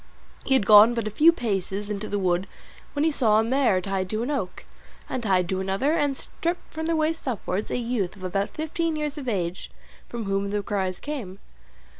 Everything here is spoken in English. He had gone but a few paces into the wood, when he saw a mare tied to an oak, and tied to another, and stripped from the waist upwards, a youth of about fifteen years of age, from whom the cries came.